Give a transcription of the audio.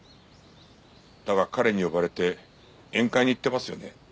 だが彼に呼ばれて宴会に行ってますよね？